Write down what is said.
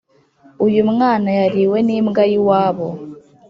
Uyumwana yariwe nimbwa yiwabo